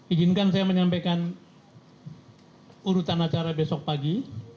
izinkan saya menyampaikan urutan acara besok pagi